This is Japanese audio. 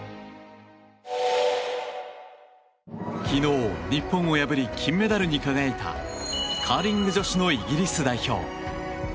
昨日、日本を破り金メダルに輝いたカーリング女子のイギリス代表。